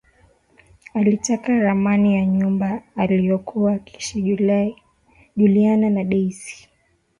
Alitaka ramani ya nyumba aliyokuwa akiishi Juliana na Daisy